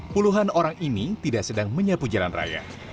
puluhan orang ini tidak sedang menyapu jalan raya